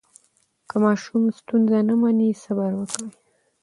که ماشوم ستونزه نه مني، صبر وکړئ.